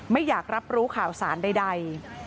ไม่อยากรับรู้ข่าวสารใด